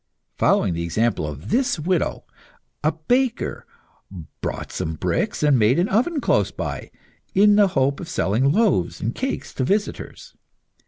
Following the example of this widow, a baker brought some bricks and made an oven close by, in the hope of selling loaves and cakes to visitors.